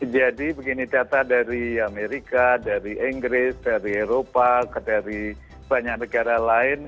jadi begini data dari amerika dari inggris dari eropa dari banyak negara lain